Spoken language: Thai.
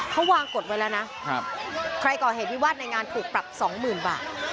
เขาวางกฎไว้แล้วนะใครก่อเหตุวิวาสในงานถูกปรับสองหมื่นบาท